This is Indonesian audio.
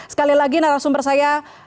sekali lagi narasumber saya